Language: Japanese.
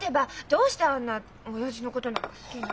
どうしてあんなおやじのことなんか好きに。